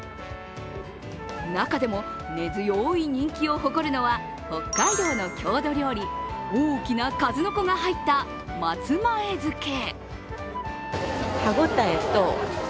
中でも根強い人気を誇るのは、北海道の郷土料理、大きな数の子が入った松前漬け。